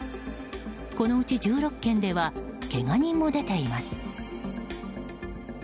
このうち１６件ではけが人も出ています。